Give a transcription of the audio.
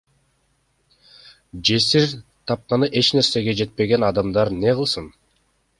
Жесир, тапканы эч нерсеге жетпеген адамдар не кылсын?